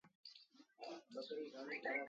گريٚب تا هميشآ اڀآنٚ وٽ رهيٚسينٚ